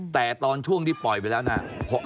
แต่ตอนช่วงที่ปล่อยไปแล้วนะ